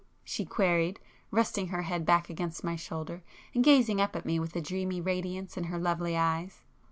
she queried, resting her head back against my shoulder, and gazing up at me with a dreamy radiance in her lovely eyes.